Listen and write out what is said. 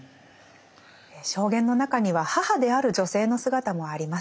証言の中には母である女性の姿もあります。